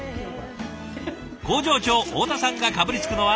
工場長太田さんがかぶりつくのは。